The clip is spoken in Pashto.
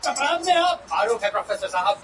ته مي نه ویني په سترګو نه مي اورې په غوږونو!